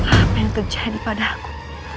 apa yang terjadi pada aku